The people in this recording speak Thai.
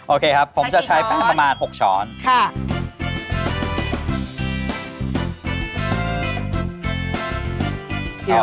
โอเคครับผมจะใช้แป้งประมาณ๖ช้อน